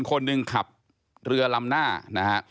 คนหนึ่งขับเรือลำหน้านะฮะ